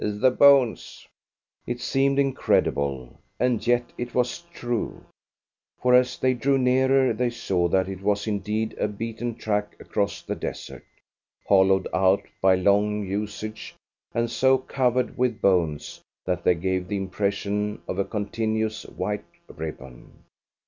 "The bones." It seemed incredible, and yet it was true, for as they drew nearer they saw that it was indeed a beaten track across the desert, hollowed out by long usage, and so covered with bones that they gave the impression of a continuous white ribbon.